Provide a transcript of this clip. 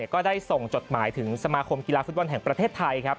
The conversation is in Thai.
ก็ได้ส่งจดหมายถึงสมาคมกีฬาฟุตบอลแห่งประเทศไทยครับ